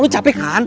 lo capek kan